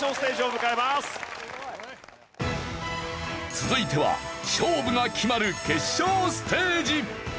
続いては勝負が決まる決勝ステージ。